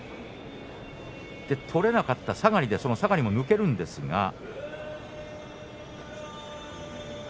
取れなかったので下がりですがその下がりも抜けるんですが。